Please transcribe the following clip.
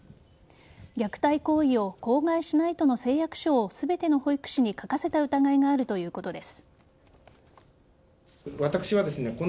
虐待行為を口外しないとの誓約書を全ての保育士に書かせた疑いがあるということです。